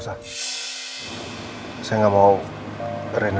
ren nanti ngeliat saya dengan kursi roda bapak